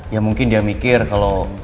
ya mungkin dia mikir kalau